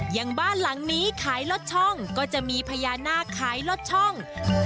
อย่างบ้านหลังนี้ขายลดช่องก็จะมีพญานาคขายลดช่อง